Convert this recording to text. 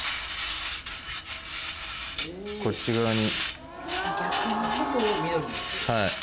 こっち側に。